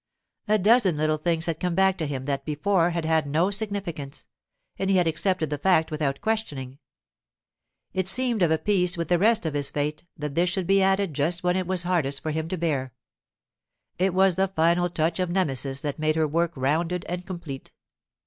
A dozen little things had come back to him that before had had no significance, and he had accepted the fact without questioning. It seemed of a piece with the rest of his fate that this should be added just when it was hardest for him to bear. It was the final touch of Nemesis that made her work rounded and complete.